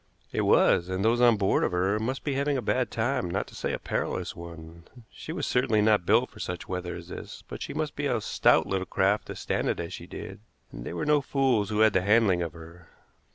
It was, and those on board of her must be having a bad time, not to say a perilous one. She was certainly not built for such weather as this, but she must be a stout little craft to stand it as she did, and they were no fools who had the handling of her.